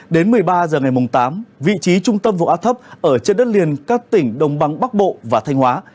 đến một mươi ba h ngày tám vị trí trung tâm vùng áp thấp ở trên đất liền các tỉnh đông băng bắc bộ và thanh hóa